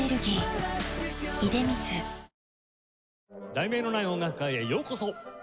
『題名のない音楽会』へようこそ。